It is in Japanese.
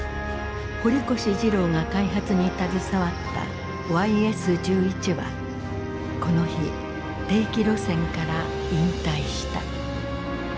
堀越二郎が開発に携わったＹＳ−１１はこの日定期路線から引退した。